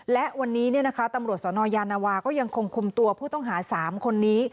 และวันนี้ตำรวจสนยานวาก็ยังคงคุมตัวผู้ต้องหา๓คนนี้